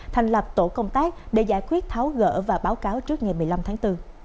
thành lập tổ công tác để giải quyết tháo gỡ và báo cáo trước ngày một mươi năm tháng bốn